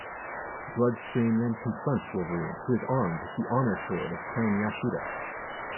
Bloodscream then confronts Wolverine, who is armed with the honor sword of Clan Yashida.